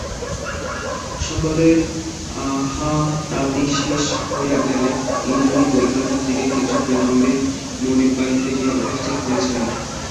সকলের আহারাদি শেষ হইয়া গেলে ইন্দ্রাণী বৈকালের দিকে কিছু বিলম্বে মনিববাড়িতে গিয়া উপস্থিত হইয়াছিল।